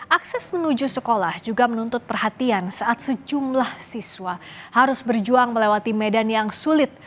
akses menuju sekolah juga menuntut perhatian saat sejumlah siswa harus berjuang melewati medan yang sulit